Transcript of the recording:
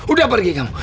udah pergi kamu